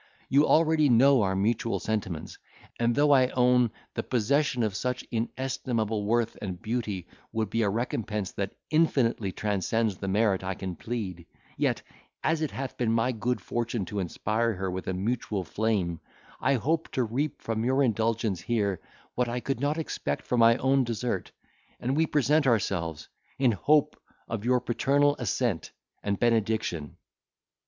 You already know our mutual sentiments; and though I own the possession of such inestimable worth and beauty would be a recompense that infinitely transcends the merit I can plead, yet, as it hath been my good fortune to inspire her with a mutual flame, I hope to reap from your indulgence here, what I could not expect from my own desert; and we present ourselves, in hope of your paternal assent and benediction."